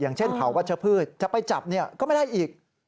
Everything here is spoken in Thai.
อย่างเช่นเผาวัชพืชจะไปจับก็ไม่ได้อีก